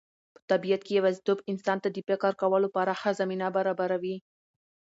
په طبیعت کې یوازېتوب انسان ته د فکر کولو پراخه زمینه برابروي.